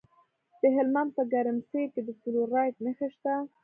د هلمند په ګرمسیر کې د فلورایټ نښې شته.